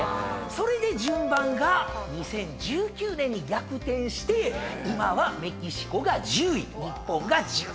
それで順番が２０１９年に逆転して今はメキシコが１０位日本が１１位になった。